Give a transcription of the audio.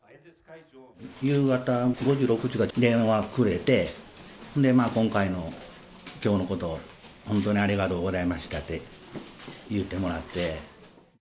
夕方５時、６時か、電話くれて、今回の、きょうのこと、本当にありがとうございましたって言ってもらって。